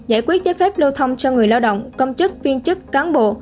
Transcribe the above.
để phép lưu thông cho người lao động công chức viên chức cán bộ